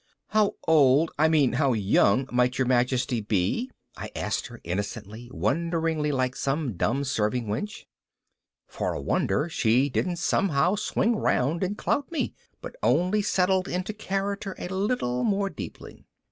"How old, I mean how young might your majesty be?" I asked her, innocently wonderingly like some dumb serving wench. For a wonder she didn't somehow swing around and clout me, but only settled into character a little more deeply.